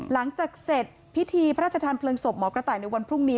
หลังจากเสร็จพิธีพระราชทานเพลิงศพหมอกระต่ายในวันพรุ่งนี้